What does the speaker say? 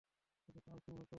শুধু পালস অনুভব করা যাচ্ছে।